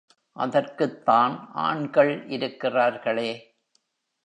அதற்குத்தான் ஆண்கள் இருக்கிறார்களே?